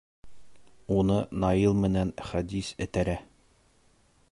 Уны Наил менән Хәдис этәрә.